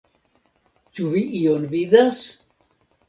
Ĉu vi ion vidas?